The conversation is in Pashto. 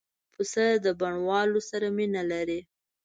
پسه د بڼوالو سره مینه لري.